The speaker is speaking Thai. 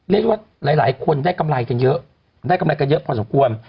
เรียกว่าหลายคนได้กำไรกันเยอะได้กำไรกันเยอะพอสมควร